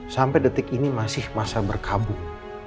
sampai detik ini masih masa berkabung